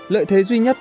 lợi thế duy nhất